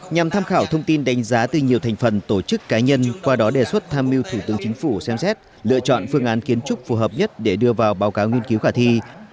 nhằm tham khảo thông tin đánh giá từ nhiều thành phần tổ chức cá nhân qua đó đề xuất tham mưu thủ tướng chính phủ xem xét lựa chọn phương án kiến trúc phù hợp nhất để đưa vào báo cáo nghiên cứu khả thi